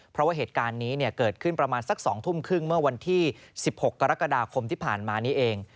เพราะว่าเหตุการณ์นี้เกิดขึ้นประมาณสัก๒ทุ่มครึ่งเมื่อวันที่๑๖กรกฎาคมที่ผ่านมานี้เอง